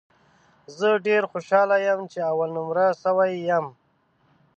زه ډېر خوشاله یم ، چې اول نمره سوی یم